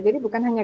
jadi bukan hanya